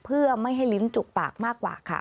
เพื่อไม่ให้ลิ้นจุกปากมากกว่าค่ะ